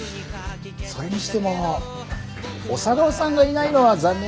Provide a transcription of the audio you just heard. それにしても小佐川さんがいないのは残念だね。